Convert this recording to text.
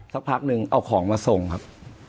สักพักนึงเอาของมาส่งครับ